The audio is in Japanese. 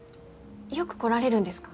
よく来られるんですか？